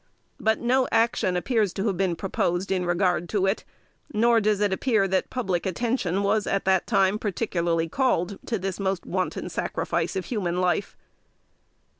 But no action appears to have been proposed in regard to it; nor does it appear that public attention was at that time particularly called to this most wanton sacrifice of human life.